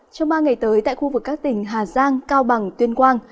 trong ba ngày tới tại khu vực các tỉnh hà giang cao bằng tuyên quang